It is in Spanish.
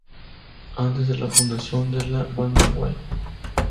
Antes de la fundación de la banda Why?